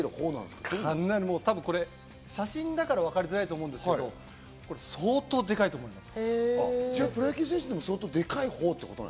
かなり、写真だからわかりづらいですけど、相当でかいと思います。